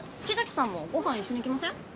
木崎さんもご飯一緒に行きません？